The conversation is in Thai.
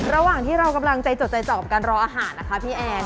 ระหว่างที่เรากำลังใจจดใจจ่อกับการรออาหารนะคะพี่แอน